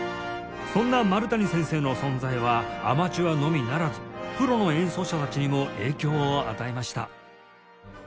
そんな丸谷先生の存在はアマチュアのみならずプロの演奏者たちにも影響を与えました